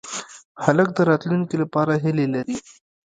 هلک د راتلونکې لپاره هیلې لري.